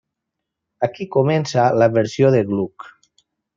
Aquí comença la versió de Gluck.